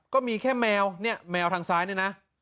ก็มีแค่แมวเนี่ยแมวทางซ้ายเนี่ยนะ